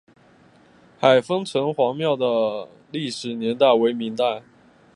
海丰城隍庙的历史年代为明代。